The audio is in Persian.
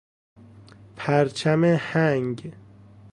پرچم هنگ